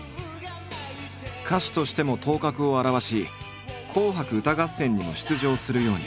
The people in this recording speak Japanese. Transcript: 歌手としても頭角を現し「紅白歌合戦」にも出場するように。